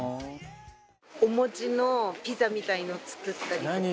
お餅のピザみたいなのを作ったりとか。